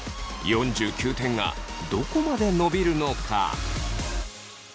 ４９点がどこまで伸びるのか。